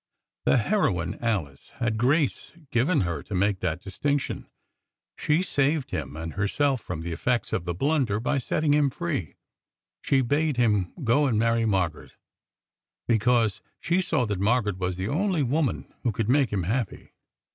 The heroine Alice had grace given her to make that distinction. She saved him and herself from the effects of the blunder by setting him free. She bade him go and marry Margaret, because she saw that Margaret was the only woman who could make him happy."